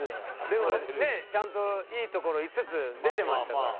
でもちゃんといいところ５つ出てましたから。